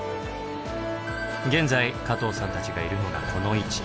現在加藤さんたちがいるのがこの位置。